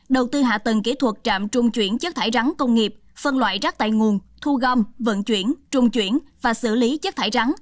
đầu tư hạ tầng kỹ thuật trạm trung chuyển chất thải rắn công nghiệp phân loại rác tại nguồn thu gom vận chuyển trung chuyển và xử lý chất thải rắn